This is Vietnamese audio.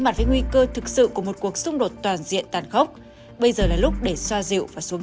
mặt với nguy cơ thực sự của một cuộc xung đột toàn diện tàn khốc bây giờ là lúc để xoa dịu và xuống